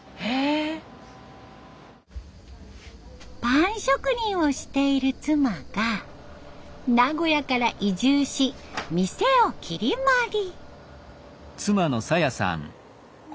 パン職人をしている妻が名古屋から移住し店を切り盛り。